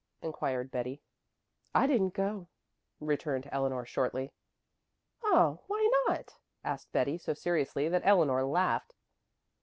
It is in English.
inquired Betty. "I didn't go," returned Eleanor shortly. "Oh, why not?" asked Betty so seriously that Eleanor laughed.